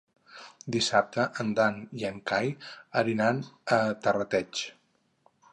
Dissabte en Dan i en Cai aniran a Terrateig.